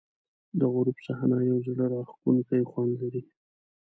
د غروب صحنه یو زړه راښکونکی خوند لري.